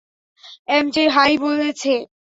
এমজে hi বলেছে।